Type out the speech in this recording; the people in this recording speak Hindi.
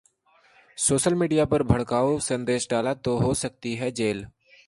सोशल मीडिया पर भड़काऊ संदेश डाला, तो हो सकती है जेल